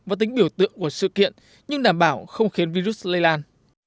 và tính biểu tượng của sự kiện nhưng đảm bảo không khiến virus lây lan